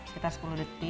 sekitar sepuluh detik